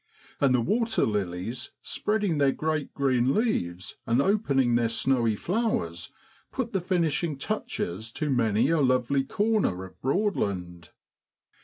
And the waterlilies, spreading their great green leaves, and opening their snowy flowers, put the finishing touches to many a lovely corner of Broadland.